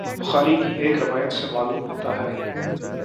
بخاری کی ایک روایت سے معلوم ہوتا ہے